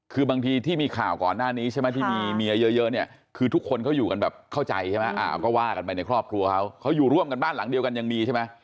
คือบางทีที่มีข่าวก่อนหน้านี้ใช่ไหมที่มีเมียเยอะเนี่ยคือทุกคนเขาอยู่กันแบบเข้าใจใช่ไหมก็ว่ากันไปในครอบครัวเขาเขาอยู่ร่วมกันบ้านหลังเดียวกันยังมีใช่ไหม